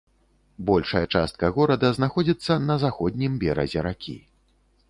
Большая частка горада знаходзіцца на заходнім беразе ракі.